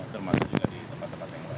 termasuk juga di tempat tempat yang lain